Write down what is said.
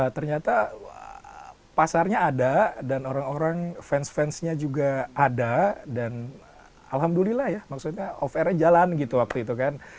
ternyata pasarnya ada dan orang orang fans fansnya juga ada dan alhamdulillah ya maksudnya off airnya jalan gitu waktu itu kan